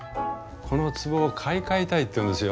この壺を買い替えたいって言うんですよ。